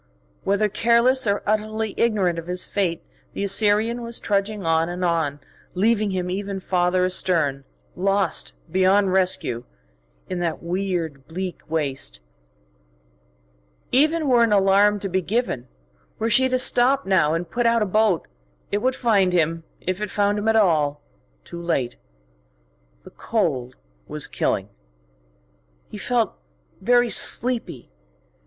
Whether careless or utterly ignorant of his fate, the Assyrian was trudging on and on, leaving him ever farther astern, lost beyond rescue in that weird, bleak waste. Even were an alarm to be given, were she to stop now and put out a boat, it would find him, if it found him at all, too late. The cold was killing. He felt very sleepy.